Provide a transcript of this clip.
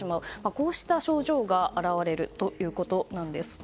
こうした症状が現れるということなんです。